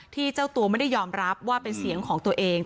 เจ้าตัวไม่ได้ยอมรับว่าเป็นเสียงของตัวเอง